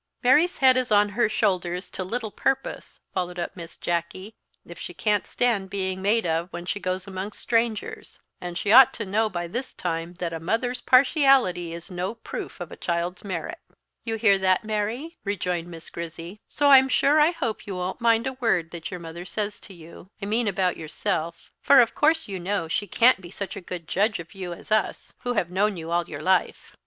"Mary's head is on her shoulders to little purpose," followed up Miss Jacky, "if she can't stand being made of when she goes amongst strangers; and she ought to know by this time that a mother's partiality is no proof of a child's merit." "You hear that, Mary," rejoined Miss Grizzy; "so I'm sure I hope you won't mind a word that your mother says to you, I mean about yourself; for of course you know she can't be such a good judge of you as us, who have known you all your life.